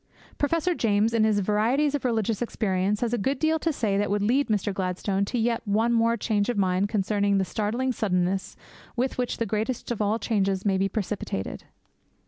Professor James, in his Varieties of Religious Experience, has a good deal to say that would lead Mr. Gladstone to yet one more change of mind concerning the startling suddenness with which the greatest of all changes may be precipitated.